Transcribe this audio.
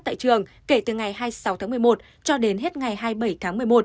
tại trường kể từ ngày hai mươi sáu tháng một mươi một cho đến hết ngày hai mươi bảy tháng một mươi một